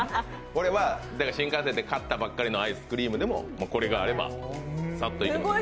これは新幹線で買ったばかりのアイスクリームでもこれがあればさっといけます。